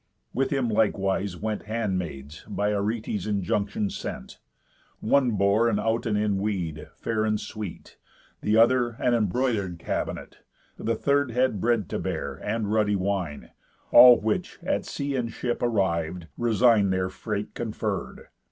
With him likewise went Handmaids, by Arete's injunction sent. One bore an out and in weed, fair and sweet, The other an embroider'd cabinet, The third had bread to bear, and ruddy wine; All which, at sea and ship arriv'd, resign Their freight conferr'd.